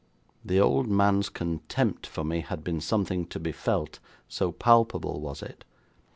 The old man's contempt for me had been something to be felt, so palpable was it.